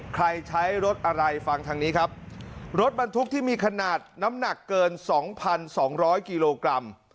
ใครใช้รถอะไรฟังทางนี้ครับรถบรรทุกที่มีขนาดน้ำหนักเกิน๒๒๐๐กิโลกรัม